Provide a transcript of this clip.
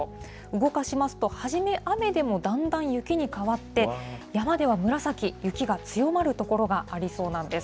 動かしますと、初め、雨でもだんだん雪に変わって、山では紫、雪が強まる所がありそうなんです。